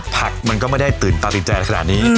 ผักมันก็ไม่ได้ตื่นตาตื่นใจขนาดนี้